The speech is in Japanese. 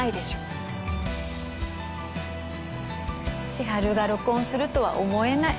千晴が録音するとは思えない。